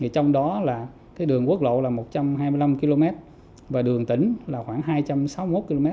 trong đó là đường quốc lộ là một trăm hai mươi năm km và đường tỉnh là khoảng hai trăm sáu mươi một km